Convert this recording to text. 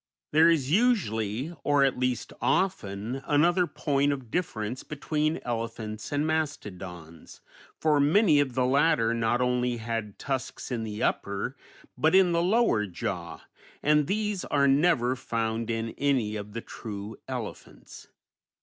] There is usually, or at least often, another point of difference between elephants and mastodons, for many of the latter not only had tusks in the upper, but in the lower jaw, and these are never found in any of the true elephants.